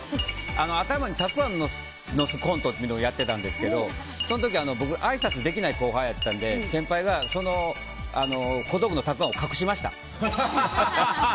頭にたくあんのせるコントっていうのをやってたんですけどその時、僕あいさつできない後輩やったんで先輩が、その小道具のたくあんを隠しました。